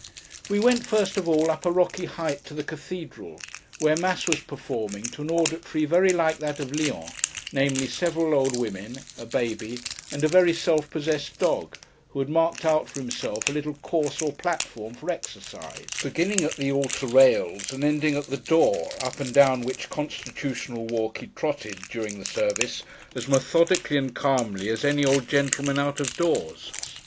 We went, first of all, up a rocky height, to the cathedral: where Mass was performing to an auditory very like that of Lyons, namely, several old women, a baby, and a very self possessed dog, who had marked out for himself a little course or platform for exercise, beginning at the altar rails and ending at the door, up and down which constitutional walk he trotted, during the service, as methodically and calmly, as any old gentleman out of doors.